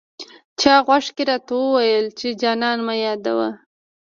چا غوږ کي راته وويل، چي جانان مه يادوه